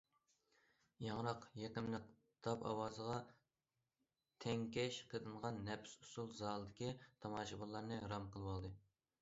ياڭراق، يېقىملىق داپ ئاۋازىغا تەڭكەش قىلىنغان نەپىس ئۇسسۇل زالدىكى تاماشىبىنلارنى رام قىلىۋالدى.